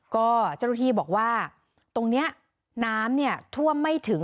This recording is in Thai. ก็เจ้าหน้าที่บอกว่าตรงนี้น้ำเนี่ยท่วมไม่ถึง